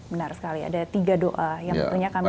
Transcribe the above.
benar sekali ada tiga doa yang tentunya kami